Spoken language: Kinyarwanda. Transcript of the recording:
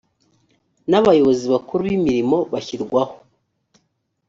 n abayobozi bakuru b imirimo bashyirwaho